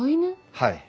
はい。